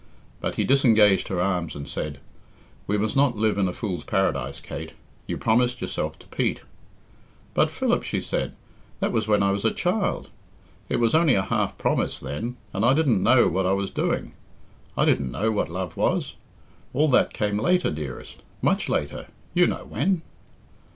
But he disengaged her arms and said, "We must not live in a fool's paradise, Kate. You promised yourself to Pete " "But, Philip," she said, "that was when I was a child. It was only a half promise then, and I didn't know what I was doing. I didn't know what love was. All that came later, dearest, much later you know when."